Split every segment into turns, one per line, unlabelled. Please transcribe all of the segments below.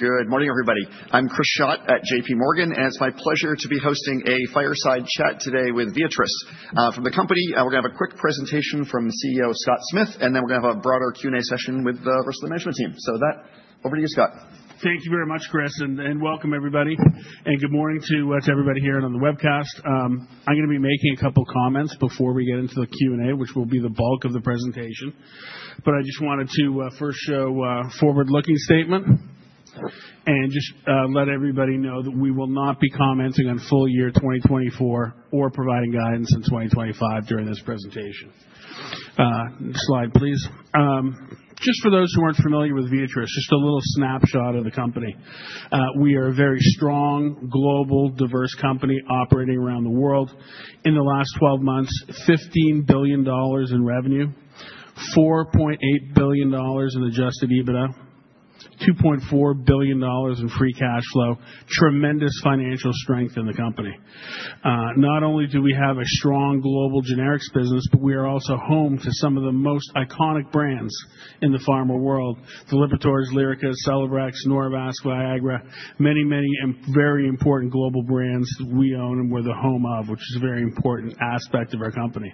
Good morning, everybody. I'm Chris Schott at J.P. Morgan, and it's my pleasure to be hosting a Fireside Chat today with Viatris. From the company, we're going to have a quick presentation from CEO Scott Smith, and then we're going to have a broader Q&A session with the rest of the management team. So over to you, Scott.
Thank you very much, Chris, and welcome, everybody. And good morning to everybody here on the webcast. I'm going to be making a couple of comments before we get into the Q&A, which will be the bulk of the presentation. But I just wanted to first show a forward-looking statement and just let everybody know that we will not be commenting on full year 2024 or providing guidance in 2025 during this presentation. Next slide, please. Just for those who aren't familiar with Viatris, just a little snapshot of the company. We are a very strong, global, diverse company operating around the world. In the last 12 months, $15 billion in revenue, $4.8 billion in adjusted EBITDA, $2.4 billion in free cash flow. Tremendous financial strength in the company. Not only do we have a strong global generics business, but we are also home to some of the most iconic brands in the pharma world: the Lipitor, Lyrica, Celebrex, Norvasc, Viagra, many, many very important global brands we own and we're the home of, which is a very important aspect of our company.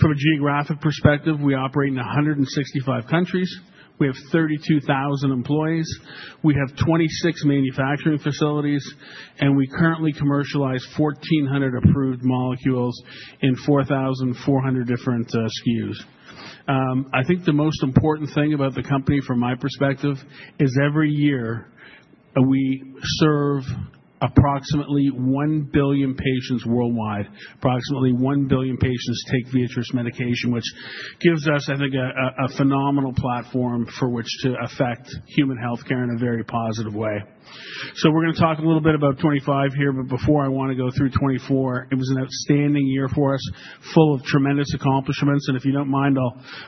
From a geographic perspective, we operate in 165 countries. We have 32,000 employees. We have 26 manufacturing facilities, and we currently commercialize 1,400 approved molecules in 4,400 different SKUs. I think the most important thing about the company, from my perspective, is every year we serve approximately 1 billion patients worldwide. Approximately 1 billion patients take Viatris medication, which gives us, I think, a phenomenal platform for which to affect human health care in a very positive way. We're going to talk a little bit about 2025 here, but before I want to go through 2024. It was an outstanding year for us, full of tremendous accomplishments. If you don't mind,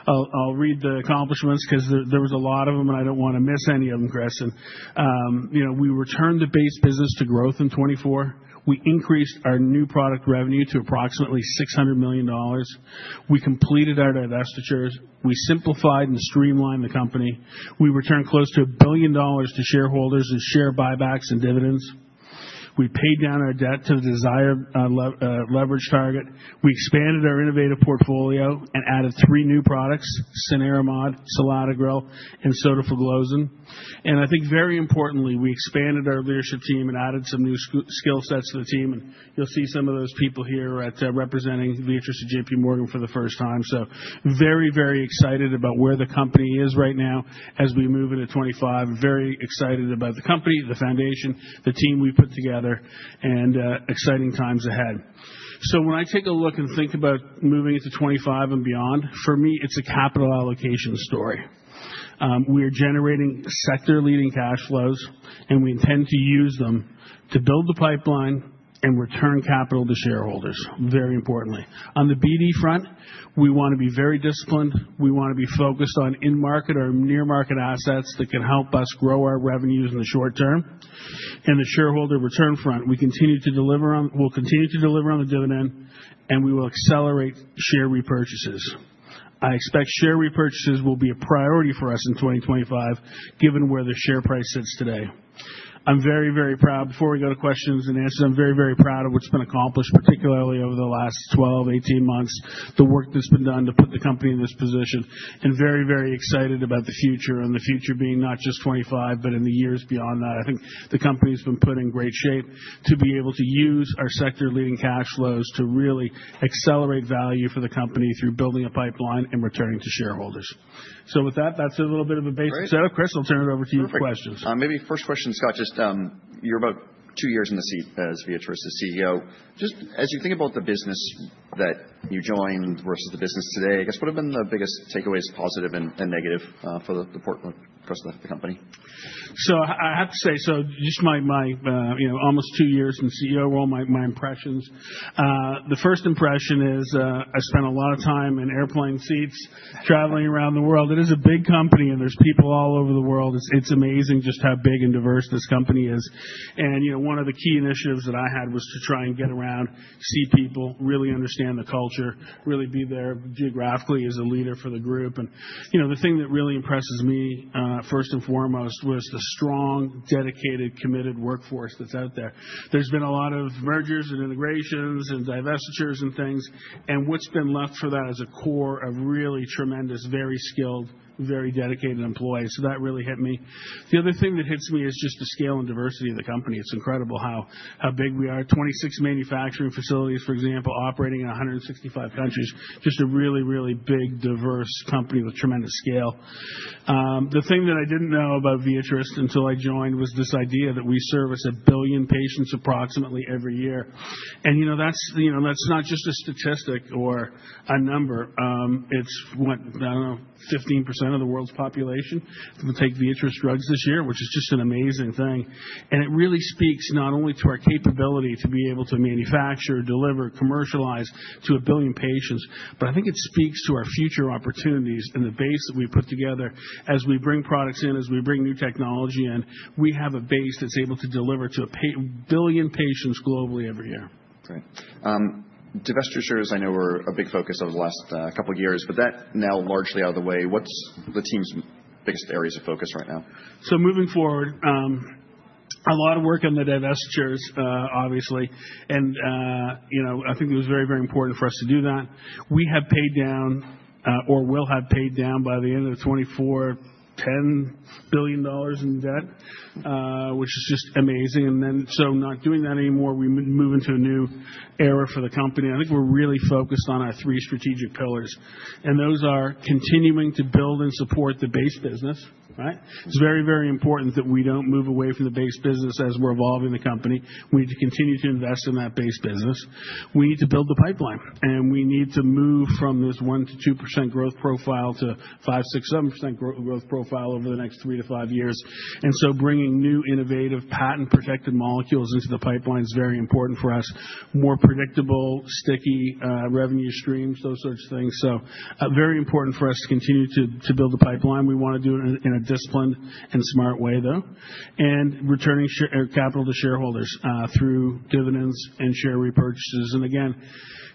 I'll read the accomplishments because there was a lot of them, and I don't want to miss any of them, Chris. We returned the base business to growth in 2024. We increased our new product revenue to approximately $600 million. We completed our divestitures. We simplified and streamlined the company. We returned close to $1 billion to shareholders in share buybacks and dividends. We paid down our debt to the desired leverage target. We expanded our innovative portfolio and added three new products: cenerimod, selatogrel, and sotagliflozin. I think, very importantly, we expanded our leadership team and added some new skill sets to the team. You'll see some of those people here representing Viatris at J.P. Morgan for the first time. Very, very excited about where the company is right now as we move into 2025. Very excited about the company, the foundation, the team we've put together, and exciting times ahead. When I take a look and think about moving into 2025 and beyond, for me, it's a capital allocation story. We are generating sector-leading cash flows, and we intend to use them to build the pipeline and return capital to shareholders, very importantly. On the BD front, we want to be very disciplined. We want to be focused on in-market or near-market assets that can help us grow our revenues in the short term. On the shareholder return front, we continue to deliver on. We'll continue to deliver on the dividend, and we will accelerate share repurchases. I expect share repurchases will be a priority for us in 2025, given where the share price sits today. I'm very, very proud. Before we go to questions and answers, I'm very, very proud of what's been accomplished, particularly over the last 12, 18 months, the work that's been done to put the company in this position, and very, very excited about the future and the future being not just '25, but in the years beyond that. I think the company's been put in great shape to be able to use our sector-leading cash flows to really accelerate value for the company through building a pipeline and returning to shareholders, so with that, that's a little bit of a base setup. Chris, I'll turn it over to you for questions.
Perfect. Maybe first question, Scott, just you're about two years in the seat as Viatris's CEO. Just as you think about the business that you joined versus the business today, I guess what have been the biggest takeaways, positive and negative, for the portfolio across the company?
I have to say, just my almost two years in the CEO role, my impressions. The first impression is I spent a lot of time in airplane seats traveling around the world. It is a big company, and there's people all over the world. It's amazing just how big and diverse this company is. One of the key initiatives that I had was to try and get around, see people, really understand the culture, really be there geographically as a leader for the group. The thing that really impresses me, first and foremost, was the strong, dedicated, committed workforce that's out there. There's been a lot of mergers and integrations and divestitures and things. What's been left from that is a core of really tremendous, very skilled, very dedicated employees. That really hit me. The other thing that hits me is just the scale and diversity of the company. It's incredible how big we are. 26 manufacturing facilities, for example, operating in 165 countries. Just a really, really big, diverse company with tremendous scale. The thing that I didn't know about Viatris until I joined was this idea that we service a billion patients approximately every year. And that's not just a statistic or a number. It's what, I don't know, 15% of the world's population will take Viatris drugs this year, which is just an amazing thing. And it really speaks not only to our capability to be able to manufacture, deliver, commercialize to a billion patients, but I think it speaks to our future opportunities and the base that we put together as we bring products in, as we bring new technology in. We have a base that's able to deliver to a billion patients globally every year.
Great. Divestitures, I know, were a big focus over the last couple of years, but that now largely out of the way. What's the team's biggest areas of focus right now?
Moving forward, a lot of work on the divestitures, obviously. I think it was very, very important for us to do that. We have paid down or will have paid down by the end of 2024, $10 billion in debt, which is just amazing. Then so not doing that anymore, we move into a new era for the company. I think we're really focused on our three strategic pillars. Those are continuing to build and support the base business. It's very, very important that we don't move away from the base business as we're evolving the company. We need to continue to invest in that base business. We need to build the pipeline. We need to move from this 1%-2% growth profile to 5%, 6%, 7% growth profile over the next three to five years. Bringing new innovative patent-protected molecules into the pipeline is very important for us. More predictable, sticky revenue streams, those sorts of things. Very important for us to continue to build the pipeline. We want to do it in a disciplined and smart way, though. Returning capital to shareholders through dividends and share repurchases. Again,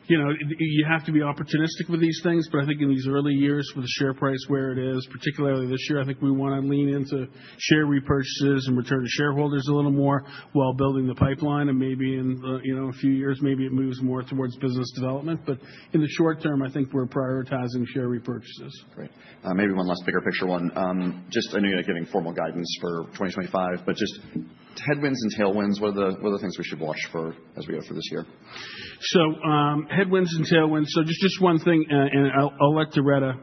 you have to be opportunistic with these things. I think in these early years with the share price where it is, particularly this year, I think we want to lean into share repurchases and return to shareholders a little more while building the pipeline. Maybe in a few years, maybe it moves more towards business development. In the short term, I think we're prioritizing share repurchases.
Great. Maybe one less bigger picture one. Just I know you're not giving formal guidance for 2025, but just headwinds and tailwinds, what are the things we should watch for as we go through this year?
So headwinds and tailwinds. So just one thing, and I'll let Doretta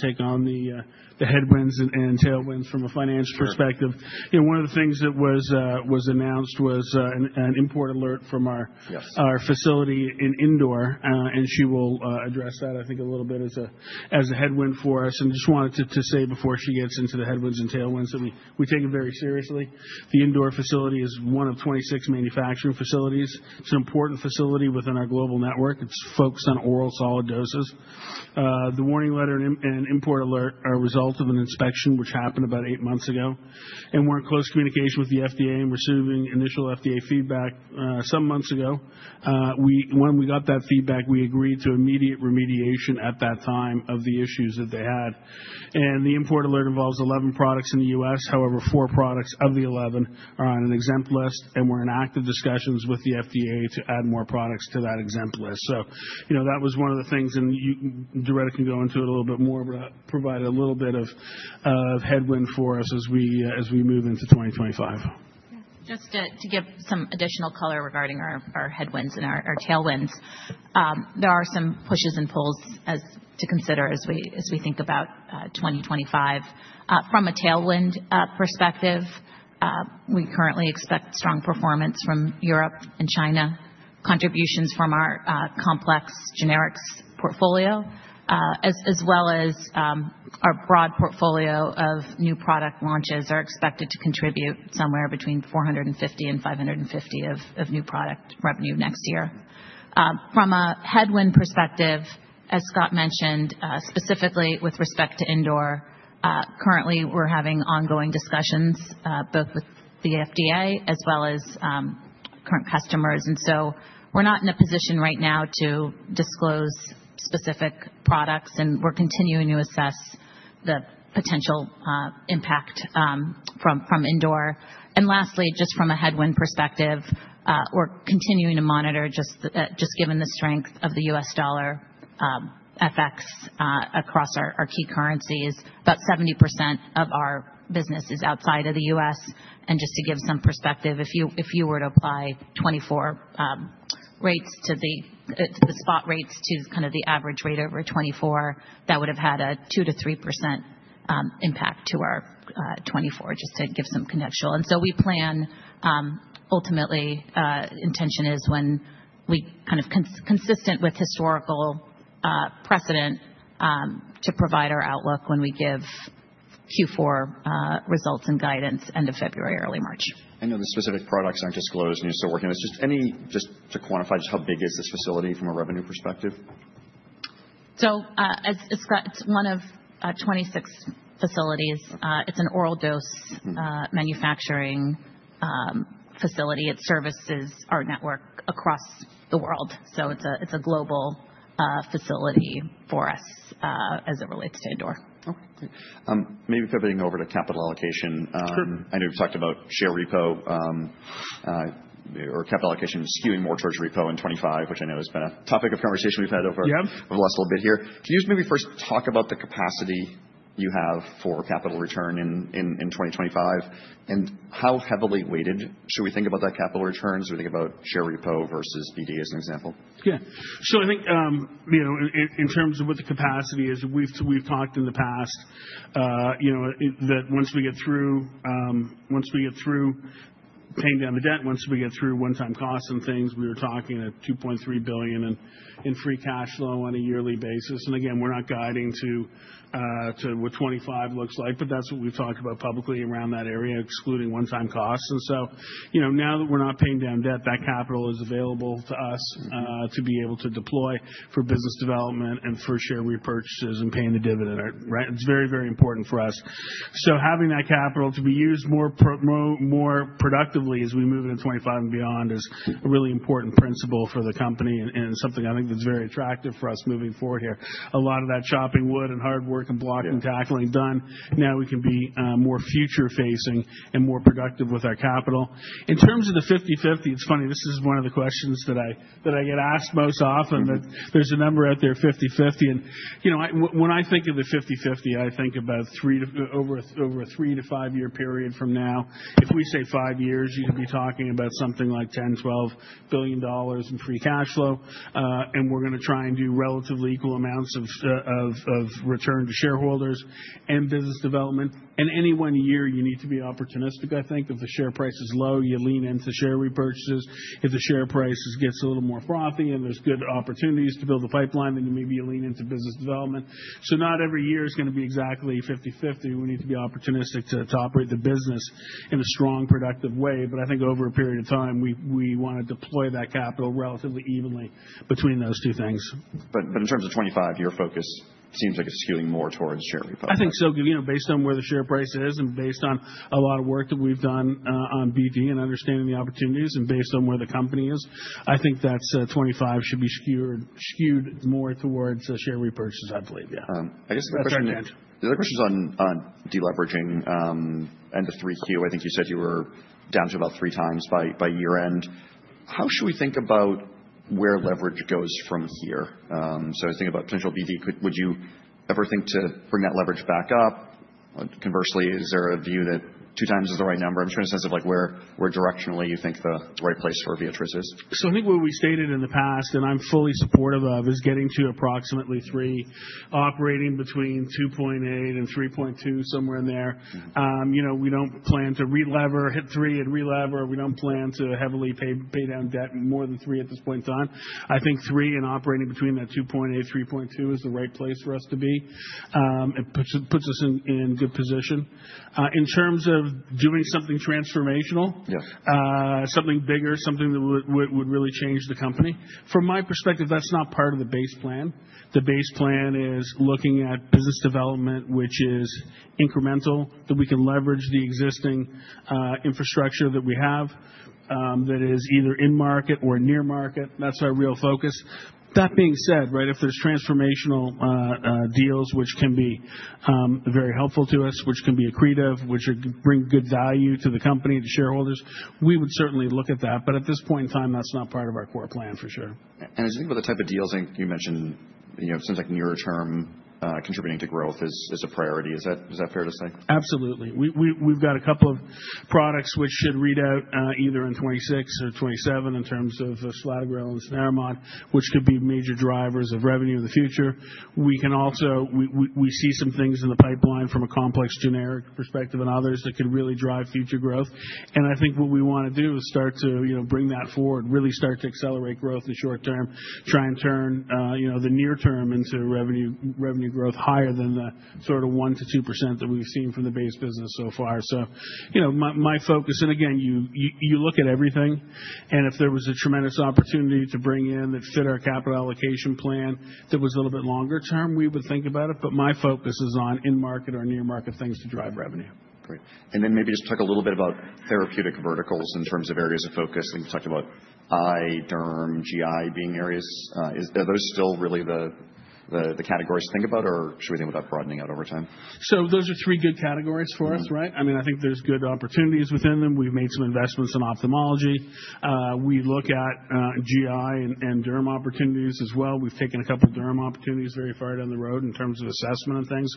take on the headwinds and tailwinds from a finance perspective. One of the things that was announced was an import alert from our facility in Indore. And she will address that, I think, a little bit as a headwind for us. And just wanted to say before she gets into the headwinds and tailwinds that we take it very seriously. The Indore facility is one of 26 manufacturing facilities. It's an important facility within our global network. It's focused on oral solid doses. The warning letter and import alert are a result of an inspection, which happened about eight months ago. And we're in close communication with the FDA and receiving initial FDA feedback some months ago. When we got that feedback, we agreed to immediate remediation at that time of the issues that they had. The import alert involves 11 products in the U.S. However, four products of the 11 are on an exempt list. We're in active discussions with the FDA to add more products to that exempt list. That was one of the things. Doretta can go into it a little bit more, but provide a little bit of headwind for us as we move into 2025.
Just to give some additional color regarding our headwinds and our tailwinds, there are some pushes and pulls to consider as we think about 2025. From a tailwind perspective, we currently expect strong performance from Europe and China, contributions from our complex generics portfolio, as well as our broad portfolio of new product launches are expected to contribute somewhere between $450 million and $550 million of new product revenue next year. From a headwind perspective, as Scott mentioned, specifically with respect to Indore, currently we're having ongoing discussions both with the FDA as well as current customers, and so we're not in a position right now to disclose specific products. And we're continuing to assess the potential impact from Indore. And lastly, just from a headwind perspective, we're continuing to monitor just given the strength of the U.S. dollar effects across our key currencies. About 70% of our business is outside of the U.S. And just to give some perspective, if you were to apply 24 rates to the spot rates to kind of the average rate over 24, that would have had a 2%-3% impact to our 24, just to give some context. And so we plan ultimately, intention is when we kind of consistent with historical precedent to provide our outlook when we give Q4 results and guidance end of February, early March.
I know the specific products aren't disclosed and you're still working with. Just to quantify just how big is this facility from a revenue perspective?
So, as Scott, it's one of 26 facilities. It's an oral solid dose manufacturing facility. It services our network across the world. So it's a global facility for us as it relates to Indore.
Okay. Maybe pivoting over to capital allocation. I know we've talked about share repo or capital allocation, skewing more towards repo in 2025, which I know has been a topic of conversation we've had over the last little bit here. Can you just maybe first talk about the capacity you have for capital return in 2025? And how heavily weighted should we think about that capital return? Should we think about share repo versus BD as an example?
Yeah. So I think in terms of what the capacity is, we've talked in the past that once we get through, once we get through paying down the debt, once we get through one-time costs and things, we were talking at $2.3 billion in free cash flow on a yearly basis. And again, we're not guiding to what 2025 looks like, but that's what we've talked about publicly around that area, excluding one-time costs. And so now that we're not paying down debt, that capital is available to us to be able to deploy for business development and for share repurchases and paying the dividend. It's very, very important for us. So having that capital to be used more productively as we move into 2025 and beyond is a really important principle for the company and something I think that's very attractive for us moving forward here. A lot of that chopping wood and hard work and block and tackling done. Now we can be more future-facing and more productive with our capital. In terms of the 50/50, it's funny, this is one of the questions that I get asked most often. There's a number out there, 50/50. And when I think of the 50/50, I think about over a three to five-year period from now. If we say five years, you'd be talking about something like $10 billion-$12 billion in free cash flow. And we're going to try and do relatively equal amounts of return to shareholders and business development. And any one year, you need to be opportunistic, I think. If the share price is low, you lean into share repurchases. If the share price gets a little more frothy and there's good opportunities to build the pipeline, then you maybe lean into business development. So not every year is going to be exactly 50/50. We need to be opportunistic to operate the business in a strong, productive way. But I think over a period of time, we want to deploy that capital relatively evenly between those two things.
But in terms of 2025, your focus seems like it's skewing more towards share repo.
I think so. Based on where the share price is and based on a lot of work that we've done on BD and understanding the opportunities and based on where the company is, I think that 2025 should be skewed more towards share repurchases, I believe. Yeah.
I guess the other question is on deleveraging, end of 3Q. I think you said you were down to about three times by year-end. How should we think about where leverage goes from here? So I think about potential BD. Would you ever think to bring that leverage back up? Conversely, is there a view that two times is the right number? I'm just trying to get a sense of where directionally you think the right place for Viatris is.
So I think what we stated in the past, and I'm fully supportive of, is getting to approximately three, operating between 2.8 and 3.2, somewhere in there. We don't plan to re-lever, hit three and re-lever. We don't plan to heavily pay down debt more than three at this point in time. I think three and operating between that 2.8, 3.2 is the right place for us to be. It puts us in good position. In terms of doing something transformational, something bigger, something that would really change the company. From my perspective, that's not part of the base plan. The base plan is looking at business development, which is incremental, that we can leverage the existing infrastructure that we have that is either in market or near market. That's our real focus. That being said, if there's transformational deals, which can be very helpful to us, which can be accretive, which bring good value to the company, to shareholders, we would certainly look at that. But at this point in time, that's not part of our core plan for sure.
As you think about the type of deals, I think you mentioned it seems like near-term contributing to growth is a priority. Is that fair to say?
Absolutely. We've got a couple of products which should read out either in 2026 or 2027 in terms of selatogrel and cenerimod, which could be major drivers of revenue in the future. We see some things in the pipeline from a complex generic perspective and others that could really drive future growth. And I think what we want to do is start to bring that forward, really start to accelerate growth in the short term, try and turn the near-term into revenue growth higher than the sort of 1%-2% that we've seen from the base business so far. So my focus, and again, you look at everything. And if there was a tremendous opportunity to bring in that fit our capital allocation plan that was a little bit longer term, we would think about it. But my focus is on in-market or near-market things to drive revenue.
Great. And then maybe just talk a little bit about therapeutic verticals in terms of areas of focus. I think you've talked about eye, derm, GI being areas. Are those still really the categories to think about, or should we think about broadening out over time?
So those are three good categories for us. I mean, I think there's good opportunities within them. We've made some investments in ophthalmology. We look at GI and derm opportunities as well. We've taken a couple of derm opportunities very far down the road in terms of assessment and things.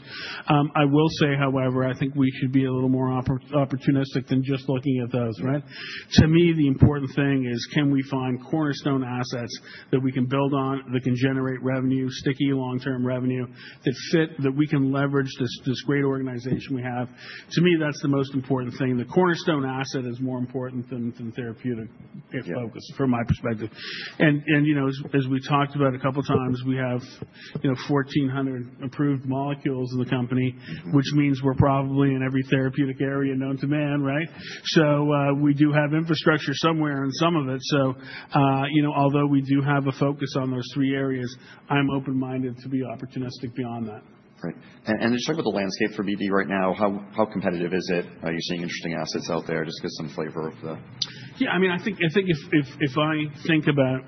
I will say, however, I think we should be a little more opportunistic than just looking at those. To me, the important thing is can we find cornerstone assets that we can build on that can generate revenue, sticky long-term revenue that fit, that we can leverage this great organization we have. To me, that's the most important thing. The cornerstone asset is more important than therapeutic focus from my perspective. And as we talked about a couple of times, we have 1,400 approved molecules in the company, which means we're probably in every therapeutic area known to man. So we do have infrastructure somewhere in some of it. So although we do have a focus on those three areas, I'm open-minded to be opportunistic beyond that.
Right. And just talk about the landscape for BD right now. How competitive is it? Are you seeing interesting assets out there? Just give us some flavor of the.
Yeah. I mean, I think if I think about,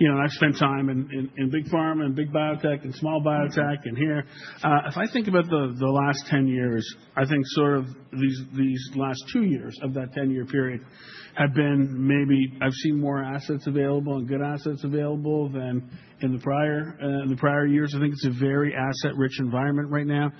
and I've spent time in big pharma and big biotech and small biotech and here, if I think about the last 10 years, I think sort of these last two years of that 10-year period have been maybe I've seen more assets available and good assets available than in the prior years. I think it's a very asset-rich environment right now.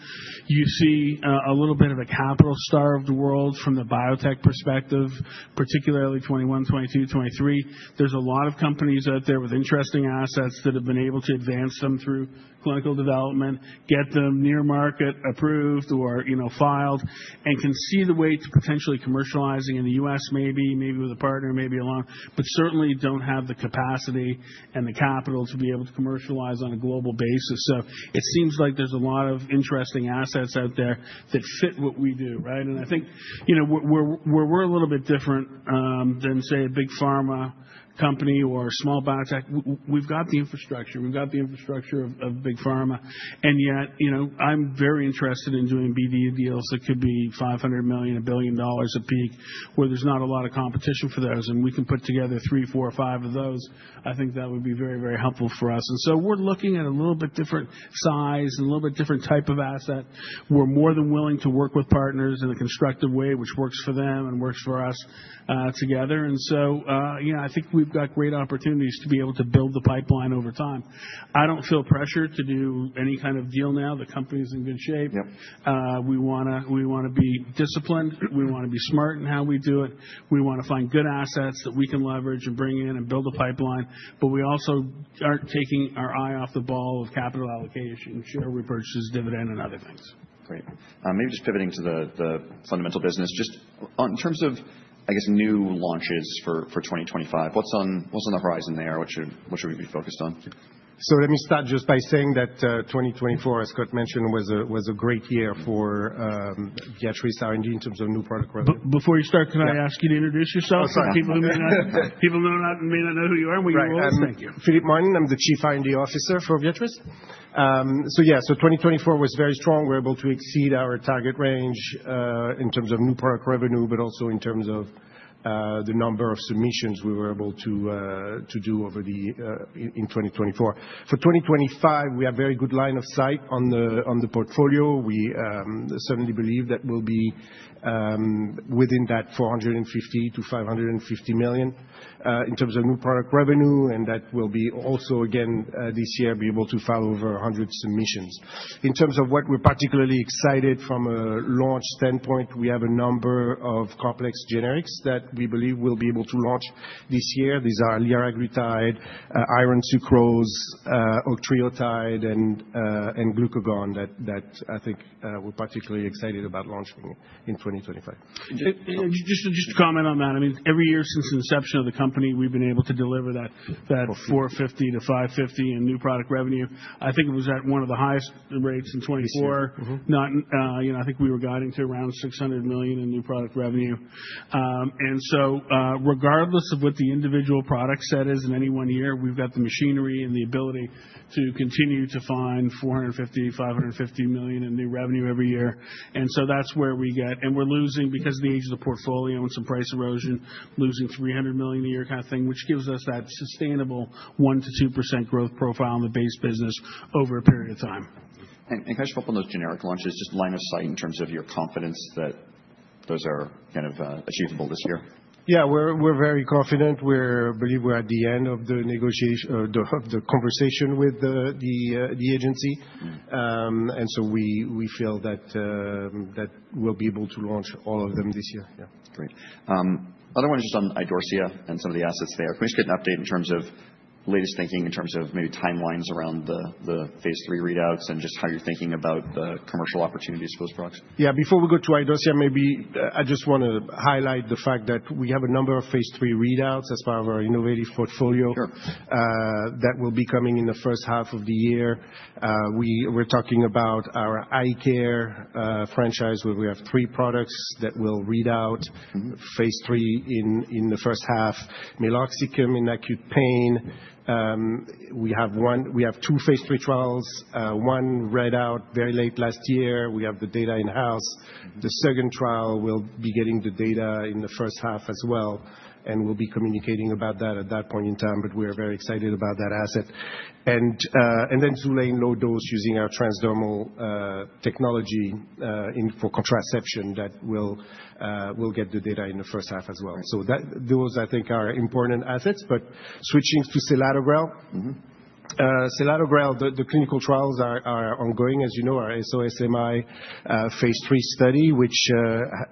You see a little bit of a capital-starved world from the biotech perspective, particularly 2021, 2022, 2023. There's a lot of companies out there with interesting assets that have been able to advance them through clinical development, get them near-market approved or filed, and can see the way to potentially commercializing in the U.S. maybe, maybe with a partner, maybe alone, but certainly don't have the capacity and the capital to be able to commercialize on a global basis. It seems like there's a lot of interesting assets out there that fit what we do. I think where we're a little bit different than, say, a big pharma company or small biotech, we've got the infrastructure. We've got the infrastructure of big pharma. Yet I'm very interested in doing BD deals that could be $500 million, $1 billion a peak, where there's not a lot of competition for those. We can put together three, four, or five of those. I think that would be very, very helpful for us. We're looking at a little bit different size and a little bit different type of asset. We're more than willing to work with partners in a constructive way, which works for them and works for us together. And so I think we've got great opportunities to be able to build the pipeline over time. I don't feel pressured to do any kind of deal now. The company's in good shape. We want to be disciplined. We want to be smart in how we do it. We want to find good assets that we can leverage and bring in and build a pipeline. But we also aren't taking our eye off the ball of capital allocation, share repurchases, dividend, and other things.
Great. Maybe just pivoting to the fundamental business. Just in terms of, I guess, new launches for 2025, what's on the horizon there? What should we be focused on?
So let me start just by saying that 2024, as Scott mentioned, was a great year for Viatris R&D in terms of new product.
Before you start, can I ask you to introduce yourself?
Of course.
People who may not know who you are, we will.
Right. Thank you.
Philippe Martin, I'm the Chief R&D Officer for Viatris. So yeah, so 2024 was very strong. We were able to exceed our target range in terms of new product revenue, but also in terms of the number of submissions we were able to do in 2024. For 2025, we have a very good line of sight on the portfolio. We certainly believe that we'll be within that $450 million-$550 million in terms of new product revenue. And that will be also, again, this year, be able to file over 100 submissions. In terms of what we're particularly excited from a launch standpoint, we have a number of complex generics that we believe we'll be able to launch this year. These are liraglutide, iron sucrose, octreotide, and glucagon that I think we're particularly excited about launching in 2025.
Just to comment on that, I mean, every year since the inception of the company, we've been able to deliver that $450 million-550 million in new product revenue. I think it was at one of the highest rates in 2024. I think we were guiding to around $600 million in new product revenue. And so regardless of what the individual product set is in any one year, we've got the machinery and the ability to continue to find $450-550 million in new revenue every year. And so that's where we get. And we're losing because of the age of the portfolio and some price erosion, losing $300 million a year kind of thing, which gives us that sustainable 1%-2% growth profile in the base business over a period of time.
Can I just follow up on those generic launches? Just line of sight in terms of your confidence that those are kind of achievable this year.
Yeah. We're very confident. We believe we're at the end of the conversation with the agency, and so we feel that we'll be able to launch all of them this year. Yeah.
Great. Another one is just on Idorsia and some of the assets there. Can we just get an update in terms of latest thinking in terms of maybe timelines around the phase 3 readouts and just how you're thinking about the commercial opportunities for those products?
Yeah. Before we go to Idorsia, maybe I just want to highlight the fact that we have a number of phase three readouts as part of our innovative portfolio that will be coming in the first half of the year. We're talking about our eye care franchise where we have three products that will read out phase three in the first half: meloxicam in acute pain. We have two phase three trials. One read out very late last year. We have the data in-house. The second trial will be getting the data in the first half as well, and we'll be communicating about that at that point in time, but we are very excited about that asset, and then Xulane low dose using our transdermal technology for contraception that will get the data in the first half as well, so those, I think, are important assets, but switching to selatogrel. Selatogrel, the clinical trials are ongoing, as you know, our SOS-AMI Phase III study, which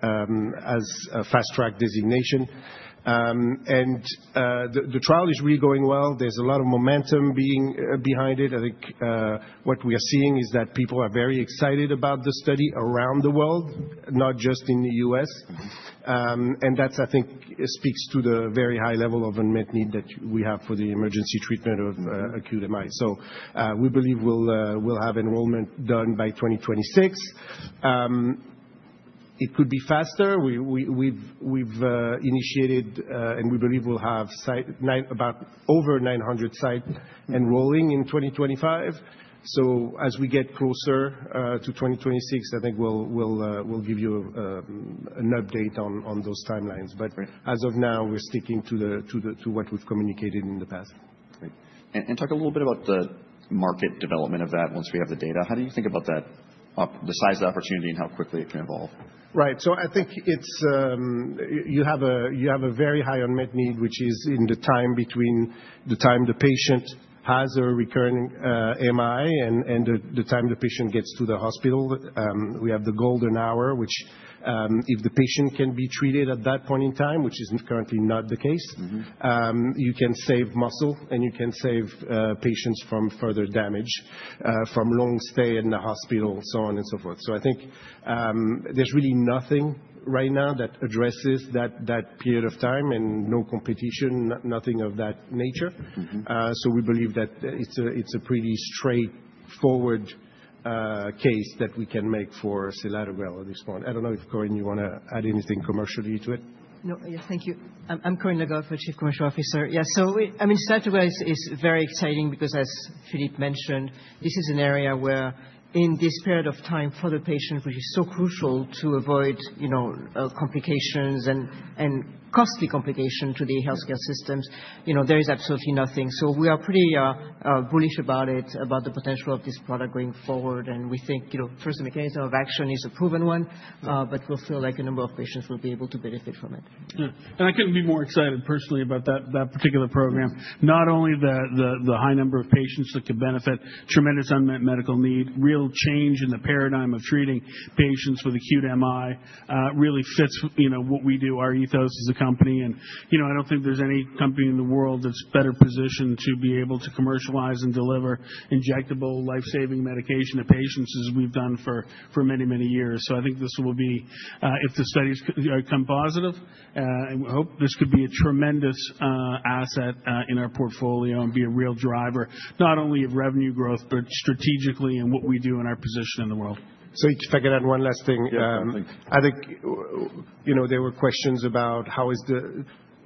has a fast-track designation. The trial is really going well. There's a lot of momentum behind it. I think what we are seeing is that people are very excited about the study around the world, not just in the U.S. That, I think, speaks to the very high level of unmet need that we have for the emergency treatment of acute MI. We believe we'll have enrollment done by 2026. It could be faster. We've initiated, and we believe we'll have about over 900 sites enrolling in 2025. As we get closer to 2026, I think we'll give you an update on those timelines. But as of now, we're sticking to what we've communicated in the past.
Great. And talk a little bit about the market development of that once we have the data. How do you think about the size of the opportunity and how quickly it can evolve?
Right. So I think you have a very high unmet need, which is in the time between the time the patient has a recurring MI and the time the patient gets to the hospital. We have the golden hour, which if the patient can be treated at that point in time, which is currently not the case, you can save muscle and you can save patients from further damage, from long stay in the hospital, so on and so forth. So I think there's really nothing right now that addresses that period of time and no competition, nothing of that nature. So we believe that it's a pretty straightforward case that we can make for selatogrel at this point. I don't know if Corinne, you want to add anything commercially to it?
No, yes. Thank you. I'm Corinne Le Goff, Chief Commercial Officer. Yeah. So I mean, selatogrel is very exciting because, as Philippe mentioned, this is an area where in this period of time for the patient, which is so crucial to avoid complications and costly complications to the healthcare systems, there is absolutely nothing. So we are pretty bullish about it, about the potential of this product going forward. And we think first, the mechanism of action is a proven one, but we'll feel like a number of patients will be able to benefit from it.
Yeah. And I couldn't be more excited personally about that particular program. Not only the high number of patients that could benefit, tremendous unmet medical need, real change in the paradigm of treating patients with acute MI really fits what we do, our ethos as a company. And I don't think there's any company in the world that's better positioned to be able to commercialize and deliver injectable life-saving medication to patients as we've done for many, many years. So I think this will be, if the studies come positive, and we hope this could be a tremendous asset in our portfolio and be a real driver, not only of revenue growth, but strategically in what we do and our position in the world.
Sorry, just to pack it in, one last thing. I think there were questions about how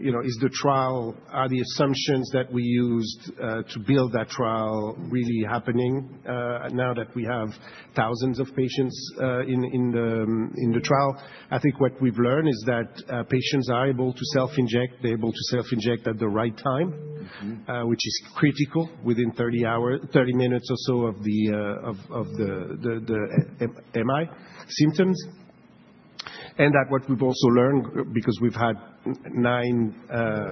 is the trial, are the assumptions that we used to build that trial really happening now that we have thousands of patients in the trial? I think what we've learned is that patients are able to self-inject. They're able to self-inject at the right time, which is critical within 30 minutes or so of the MI symptoms. And that what we've also learned, because we've had nine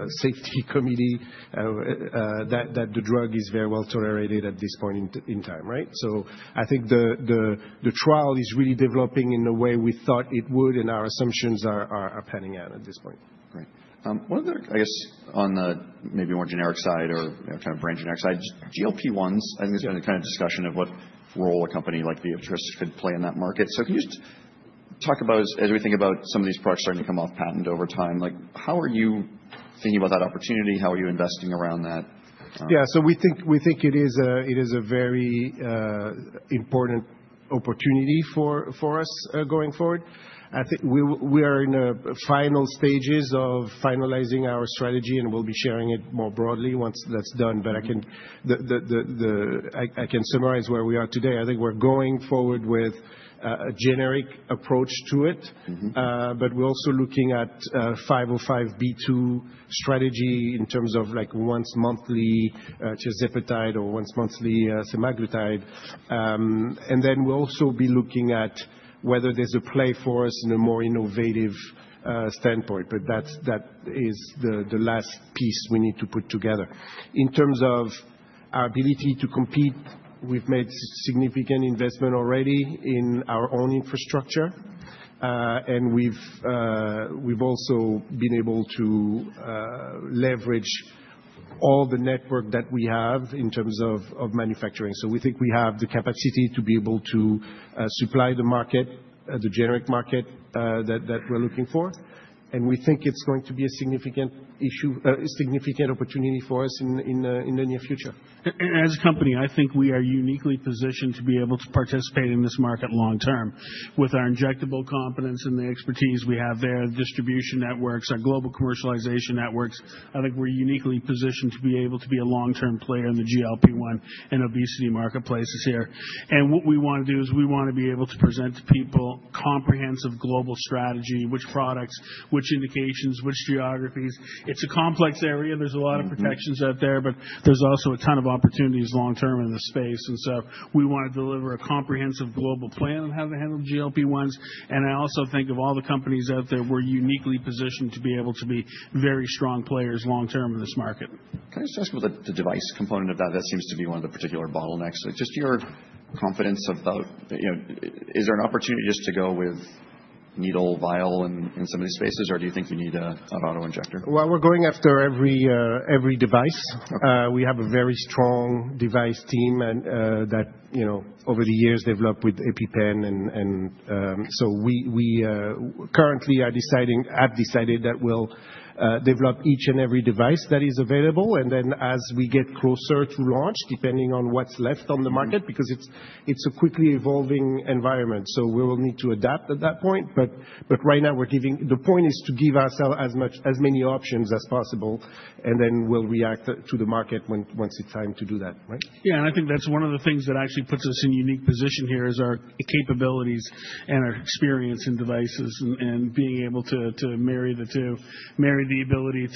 safety committees, that the drug is very well tolerated at this point in time. So I think the trial is really developing in the way we thought it would, and our assumptions are panning out at this point.
Great. One other, I guess, on the maybe more generic side or kind of brand generic side, GLP-1s, I think there's been a kind of discussion of what role a company like Viatris could play in that market. So can you just talk about, as we think about some of these products starting to come off patent over time, how are you thinking about that opportunity? How are you investing around that?
Yeah. So we think it is a very important opportunity for us going forward. I think we are in the final stages of finalizing our strategy, and we'll be sharing it more broadly once that's done. But I can summarize where we are today. I think we're going forward with a generic approach to it, but we're also looking at 505(b)(2) strategy in terms of once monthly tirzepatide or once monthly semaglutide. And then we'll also be looking at whether there's a play for us in a more innovative standpoint. But that is the last piece we need to put together. In terms of our ability to compete, we've made significant investment already in our own infrastructure. And we've also been able to leverage all the network that we have in terms of manufacturing. We think we have the capacity to be able to supply the market, the generic market that we're looking for. We think it's going to be a significant opportunity for us in the near future.
As a company, I think we are uniquely positioned to be able to participate in this market long term. With our injectable competence and the expertise we have there, the distribution networks, our global commercialization networks, I think we're uniquely positioned to be able to be a long-term player in the GLP-1 and obesity marketplaces here. What we want to do is we want to be able to present to people comprehensive global strategy, which products, which indications, which geographies. It's a complex area. There's a lot of protections out there, but there's also a ton of opportunities long term in this space. And so we want to deliver a comprehensive global plan on how to handle GLP-1s. And I also think of all the companies out there, we're uniquely positioned to be able to be very strong players long term in this market.
Can I just ask about the device component of that? That seems to be one of the particular bottlenecks. Just your confidence of, is there an opportunity just to go with needle, vial in some of these spaces, or do you think you need an auto injector?
We're going after every device. We have a very strong device team that over the years developed with EpiPen. And so we currently have decided that we'll develop each and every device that is available. And then as we get closer to launch, depending on what's left on the market, because it's a quickly evolving environment, so we will need to adapt at that point. But right now, the point is to give ourselves as many options as possible, and then we'll react to the market once it's time to do that.
Right? Yeah. And I think that's one of the things that actually puts us in a unique position here is our capabilities and our experience in devices and being able to marry the two, marry the ability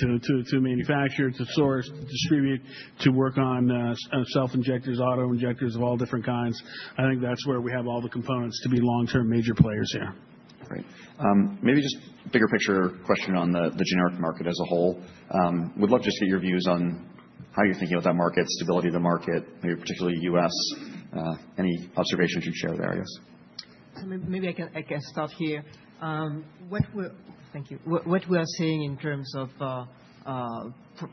to manufacture, to source, to distribute, to work on self-injectors, auto injectors of all different kinds. I think that's where we have all the components to be long-term major players here.
Great. Maybe just a bigger picture question on the generic market as a whole. We'd love just to get your views on how you're thinking about that market, stability of the market, maybe particularly U.S. Any observations you'd share there, I guess?
Maybe I can start here. Thank you. What we are seeing in terms of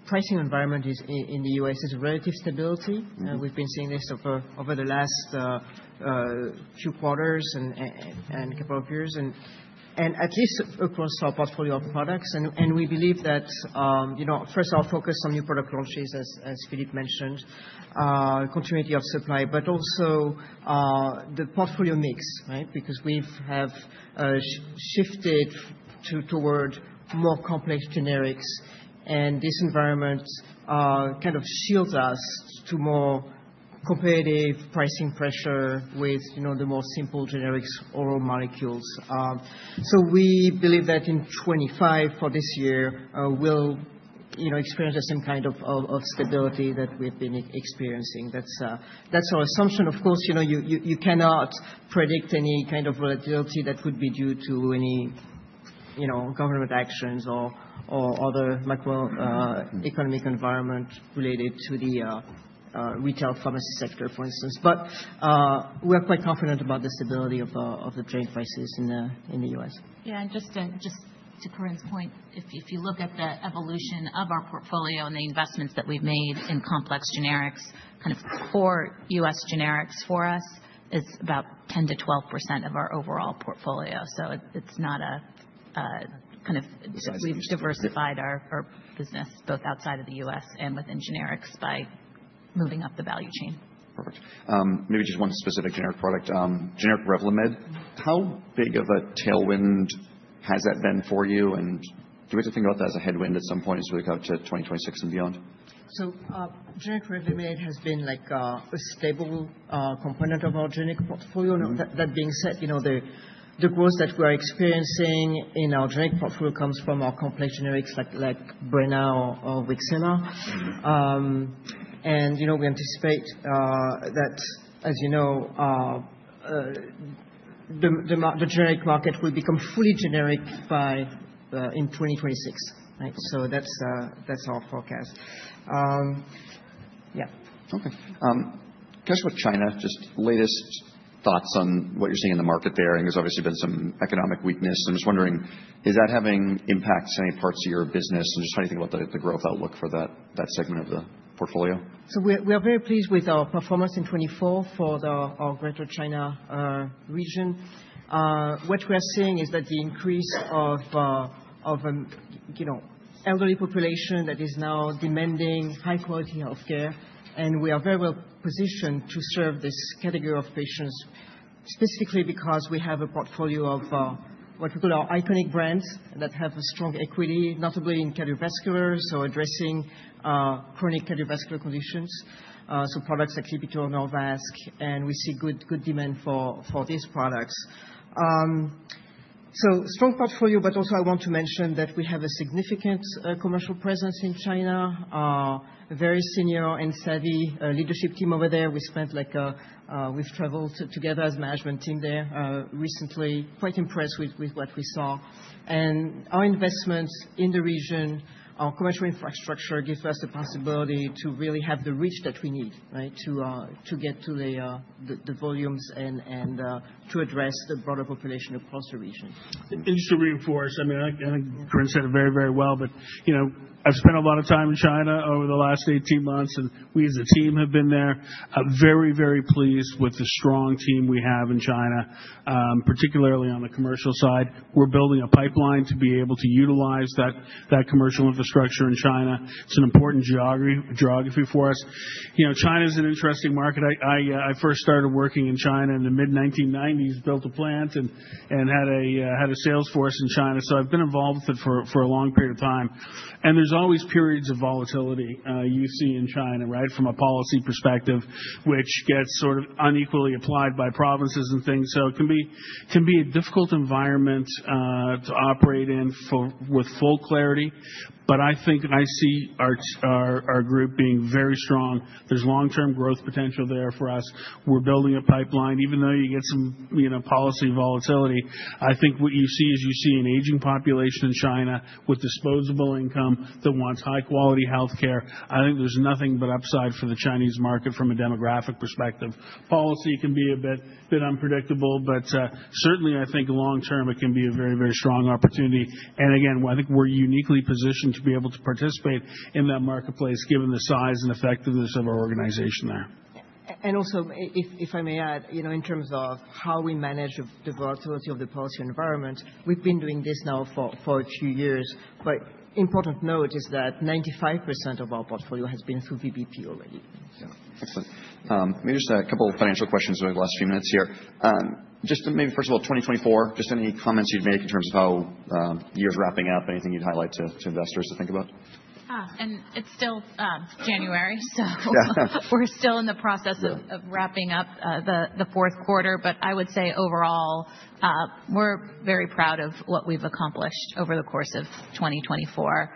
pricing environment in the U.S. is a relative stability. We've been seeing this over the last few quarters and a couple of years, and at least across our portfolio of products, and we believe that, first, our focus on new product launches, as Philippe mentioned, continuity of supply, but also the portfolio mix, because we have shifted toward more complex generics, and this environment kind of shields us to more competitive pricing pressure with the more simple generics or molecules. So we believe that in 2025 for this year, we'll experience the same kind of stability that we've been experiencing. That's our assumption. Of course, you cannot predict any kind of volatility that could be due to any government actions or other macroeconomic environment related to the retail pharmacy sector, for instance. But we are quite confident about the stability of the trade prices in the U.S.
Yeah. And just to Corinne's point, if you look at the evolution of our portfolio and the investments that we've made in complex generics, kind of core U.S. generics for us, it's about 10%-12% of our overall portfolio. So it's not a kind of we've diversified our business both outside of the U.S. and within generics by moving up the value chain.
Perfect. Maybe just one specific generic product, generic Revlimid. How big of a tailwind has that been for you? And do we have to think about that as a headwind at some point as we look out to 2026 and beyond?
So generic Revlimid has been a stable component of our generic portfolio. That being said, the growth that we are experiencing in our generic portfolio comes from our complex generics like Breyna or Wixela. And we anticipate that, as you know, the generic market will become fully generic by 2026. So that's our forecast.
Yeah. Okay. Can I ask about China? Just latest thoughts on what you're seeing in the market there. I think there's obviously been some economic weakness. I'm just wondering, is that having impacts on any parts of your business, and just how do you think about the growth outlook for that segment of the portfolio?
We are very pleased with our performance in 2024 for our Greater China region. What we are seeing is that the increase of an elderly population that is now demanding high-quality healthcare. We are very well positioned to serve this category of patients specifically because we have a portfolio of what we call our iconic brands that have a strong equity, notably in cardiovascular, so addressing chronic cardiovascular conditions, so products like Lipitor, Norvasc, and we see good demand for these products. Strong portfolio, but also I want to mention that we have a significant commercial presence in China, a very senior and savvy leadership team over there. We've traveled together as a management team there recently, quite impressed with what we saw. Our investments in the region, our commercial infrastructure gives us the possibility to really have the reach that we need to get to the volumes and to address the broader population across the region.
Just to reinforce, I mean, I think Corinne said it very, very well, but I've spent a lot of time in China over the last 18 months, and we as a team have been there. Very, very pleased with the strong team we have in China, particularly on the commercial side. We're building a pipeline to be able to utilize that commercial infrastructure in China. It's an important geography for us. China is an interesting market. I first started working in China in the mid-1990s, built a plant, and had a sales force in China. So I've been involved with it for a long period of time, and there's always periods of volatility you see in China, right, from a policy perspective, which gets sort of unequally applied by provinces and things. So it can be a difficult environment to operate in with full clarity. But I think I see our group being very strong. There's long-term growth potential there for us. We're building a pipeline. Even though you get some policy volatility, I think what you see is you see an aging population in China with disposable income that wants high-quality healthcare. I think there's nothing but upside for the Chinese market from a demographic perspective. Policy can be a bit unpredictable, but certainly, I think long term, it can be a very, very strong opportunity. And again, I think we're uniquely positioned to be able to participate in that marketplace given the size and effectiveness of our organization there.
Also, if I may add, in terms of how we manage the volatility of the policy environment, we've been doing this now for a few years. Important note is that 95% of our portfolio has been through VBP already.
Yeah. Excellent. Maybe just a couple of financial questions over the last few minutes here. Just maybe first of all, 2024, just any comments you'd make in terms of how the year's wrapping up, anything you'd highlight to investors to think about?
It's still January, so we're still in the process of wrapping up the fourth quarter. I would say overall, we're very proud of what we've accomplished over the course of 2024.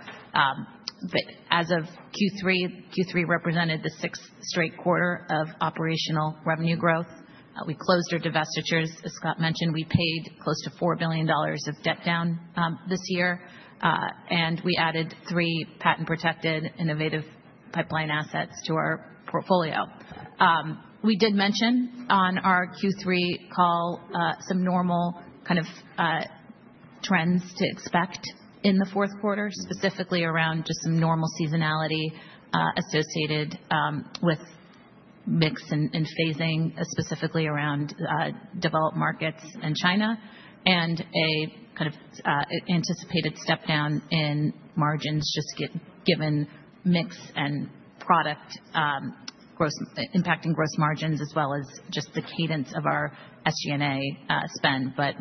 As of Q3, Q3 represented the sixth straight quarter of operational revenue growth. We closed our divestitures. As Scott mentioned, we paid close to $4 billion of debt down this year. We added three patent-protected innovative pipeline assets to our portfolio. We did mention on our Q3 call some normal kind of trends to expect in the fourth quarter, specifically around just some normal seasonality associated with mix and phasing, specifically around developed markets and China, and a kind of anticipated step down in margins just given mix and product impacting gross margins as well as just the cadence of our SG&A spend. That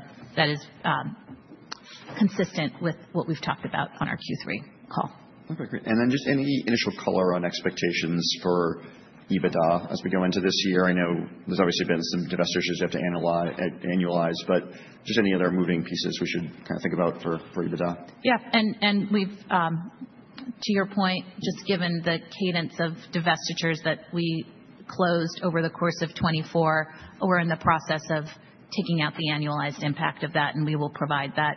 is consistent with what we've talked about on our Q3 call.
Okay. Great. And then just any initial color on expectations for EBITDA as we go into this year? I know there's obviously been some divestitures you have to annualize, but just any other moving pieces we should kind of think about for EBITDA?
Yeah. And to your point, just given the cadence of divestitures that we closed over the course of 2024, we're in the process of taking out the annualized impact of that. And we will provide that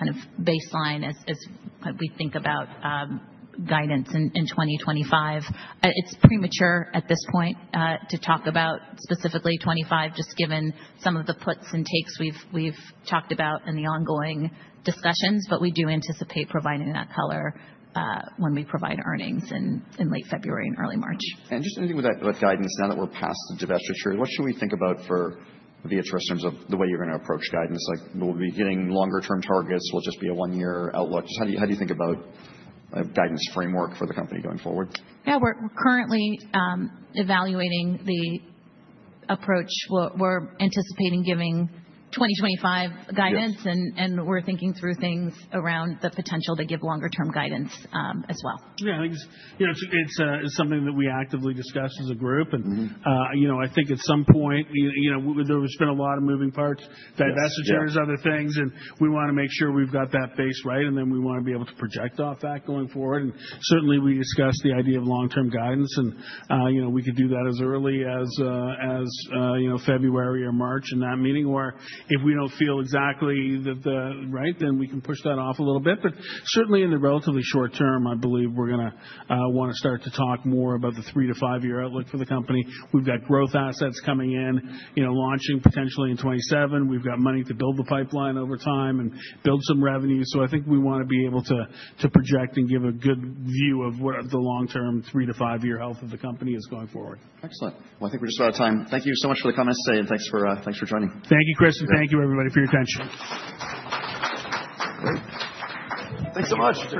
kind of baseline as we think about guidance in 2025. It's premature at this point to talk about specifically 2025, just given some of the puts and takes we've talked about in the ongoing discussions. But we do anticipate providing that color when we provide earnings in late February and early March.
Just anything with guidance now that we're past the divestiture, what should we think about for the future in terms of the way you're going to approach guidance? Will we be hitting longer-term targets? Will it just be a one-year outlook? Just how do you think about a guidance framework for the company going forward?
Yeah. We're currently evaluating the approach. We're anticipating giving 2025 guidance, and we're thinking through things around the potential to give longer-term guidance as well.
Yeah. I think it's something that we actively discuss as a group. And I think at some point, there's been a lot of moving parts, divestitures, other things. And we want to make sure we've got that base right, and then we want to be able to project off that going forward. And certainly, we discussed the idea of long-term guidance. And we could do that as early as February or March in that meeting where if we don't feel exactly right, then we can push that off a little bit. But certainly, in the relatively short term, I believe we're going to want to start to talk more about the three to five-year outlook for the company. We've got growth assets coming in, launching potentially in 2027. We've got money to build the pipeline over time and build some revenue. So I think we want to be able to project and give a good view of what the long-term three to five-year health of the company is going forward.
Excellent. Well, I think we're just about out of time. Thank you so much for the comments today, and thanks for joining.
Thank you, Chris, and thank you, everybody, for your attention.
Great. Thanks so much.